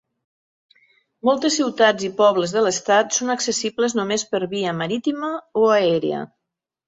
Moltes ciutats i pobles de l'estat són accessibles només per via marítima o aèria.